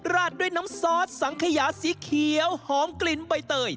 ราดด้วยน้ำซอสสังขยาสีเขียวหอมกลิ่นใบเตย